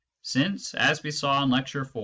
Since, as we saw in Lecture IV.